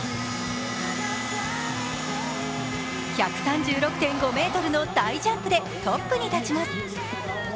１３６．５ｍの大ジャンプでトップに立ちます。